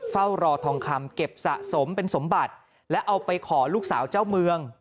เฝ้ารอทองคำเก็บสะสมเป็นสมบัติและเอาไปขอลูกสาวเจ้าเมือง